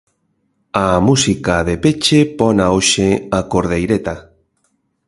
A música de peche pona hoxe Acordeireta.